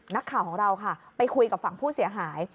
นักข่าวของเราค่ะไปคุยกับฝั่งผู้เสียหาย